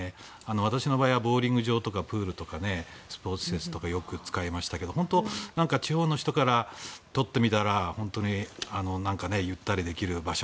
私の場合はボウリング場とかプールとかスポーツ施設とかよく使いましたが本当に地方の方からとってみたら本当にゆったりできる場所。